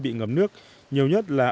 bị ngấm nước nhiều nhất là